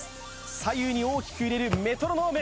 左右に大きく揺れるメトロノーム